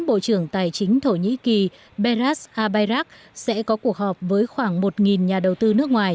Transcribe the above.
bộ trưởng tài chính thổ nhĩ kỳ beras abbayak sẽ có cuộc họp với khoảng một nhà đầu tư nước ngoài